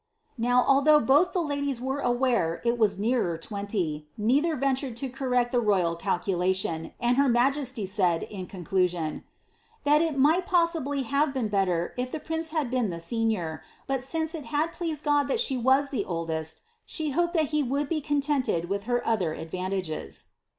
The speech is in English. Now, although both the ladies were aware that it was nearer twenty, neither ventured to correct the royal calculation, and her majesty said, in conclusion, "thai it might possibly have been better if the prince had been the senior, but since it had pleased God that she was the oldest, she hoped that he would be contented with her other advantages."